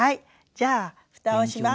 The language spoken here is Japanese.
じゃあふたをします。